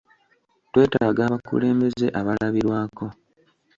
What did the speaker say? Twetaaga abakulembeze abalabirwako.